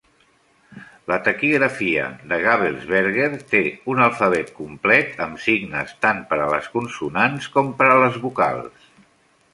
La taquigrafia de Gabelsberger té un alfabet complet amb signes tant per a les consonants com per a les vocals.